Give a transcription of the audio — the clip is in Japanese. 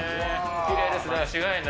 きれいですね。